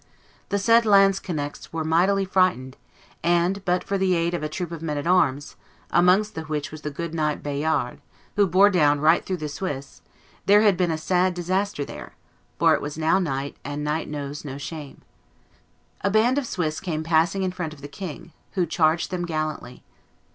The said lanzknechts were mighty frightened; and but for the aid of a troop of men at arms, amongst the which was the good knight Bayard, who bore down right through the Swiss, there had been a sad disaster there, for it was now night, and night knows no shame. A band of Swiss came passing in front of the king, who charged them gallantly.